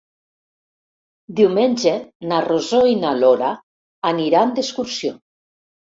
Diumenge na Rosó i na Lola aniran d'excursió.